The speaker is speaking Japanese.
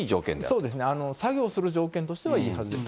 そうですね。作業する条件としてはいいはずです。